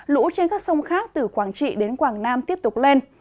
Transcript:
lũ trên các sông khác từ quảng trị đến quảng nam tiếp tục lên